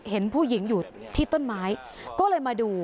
เห็นผู้หญิงอยู่ที่ต้นไม้ก็เลยมาดู